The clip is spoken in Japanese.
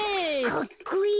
かっこいい！